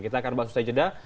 kita akan bahas di setelah jeda